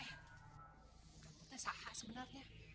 eh kamu tuh sahak sebenarnya